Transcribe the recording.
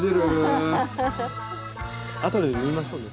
あとで縫いましょうね。